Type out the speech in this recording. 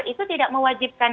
itu tidak mewajibkan